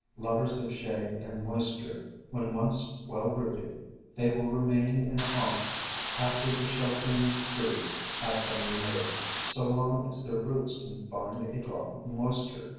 Lovers of shade and moisture, when once well rooted, they will remain in a haunt after the shel M THE FANTASIES OF FERNS taring trees have been removed so long as their roots can find a drop of moisture.